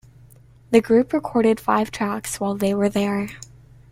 The group recorded five tracks while they were there.